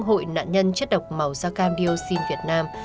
hội nạn nhân chất độc màu da cam dioxin việt nam